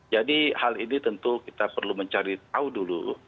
hal ini tentu kita perlu mencari tahu dulu